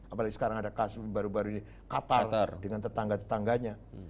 apalagi sekarang ada kasus baru baru di qatar dengan tetangga tetangganya